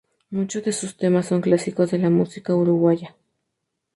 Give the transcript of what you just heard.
Muchos de sus temas son clásicos de la música uruguaya.